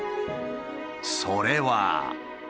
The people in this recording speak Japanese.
それは。